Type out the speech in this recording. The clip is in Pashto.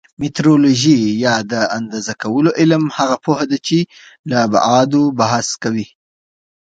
میټرولوژي یا د اندازه کولو علم هغه پوهه ده چې له ابعادو بحث کوي.